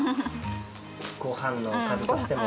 ご飯のおかずとしても。